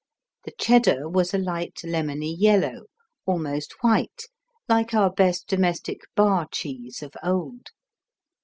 The Cheddar was a light, lemony yellow, almost white, like our best domestic "bar cheese" of old.